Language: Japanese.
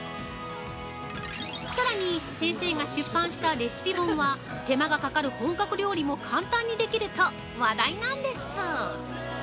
さらに、先生が出版したレシピ本は手間がかかる本格料理も簡単にできると話題！